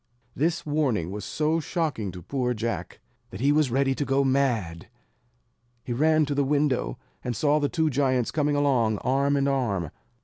This warning was so shocking to poor Jack, that he was ready to go mad. He ran to the window, and saw the two giants coming along arm in arm.